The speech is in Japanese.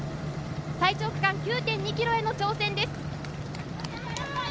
最長区間９．２ｋｍへの挑戦です。